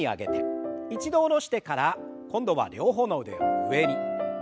一度下ろしてから今度は両方の腕を上に。